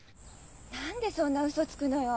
何でそんなウソつくのよ。